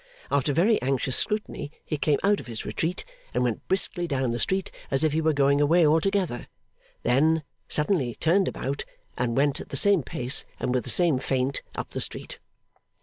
After very anxious scrutiny, he came out of his retreat, and went briskly down the street as if he were going away altogether; then, suddenly turned about, and went, at the same pace, and with the same feint, up the street.